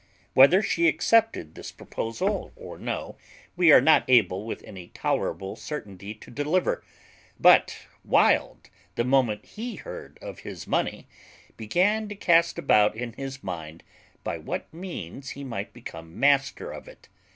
Whether she accepted this proposal or no we are not able with any tolerable certainty to deliver: but Wild, the moment he heard of his money, began to cast about in his mind by what means he might become master of it.